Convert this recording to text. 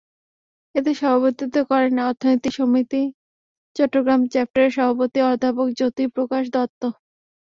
এতে সভাপতিত্ব করেন অর্থনীতি সমিতি চট্টগ্রাম চ্যাপ্টারের সভাপতি অধ্যাপক জ্যোতি প্রকাশ দত্ত।